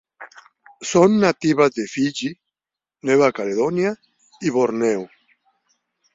Son nativas de Fiyi, Nueva Caledonia y Borneo.